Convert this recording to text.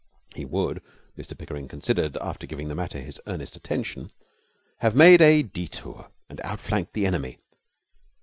He would, Mr Pickering considered, after giving the matter his earnest attention, have made a detour and outflanked the enemy.